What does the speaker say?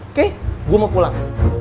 oke gue mau pulang